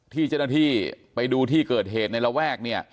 ที่เจ้ามันที่ไปดูที่เกิดเหตุในละแวก